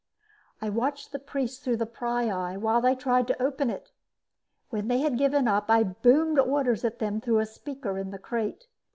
I watched the priests through the pryeye while they tried to open it. When they had given up, I boomed orders at them through a speaker in the crate.